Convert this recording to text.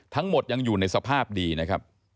ทั้งหมดยังอยู่ในสภาพดีนะครับ